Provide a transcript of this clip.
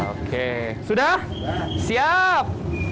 oke sudah siap